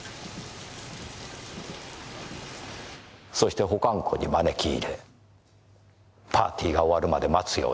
そして保管庫に招き入れパーティーが終わるまで待つように言った。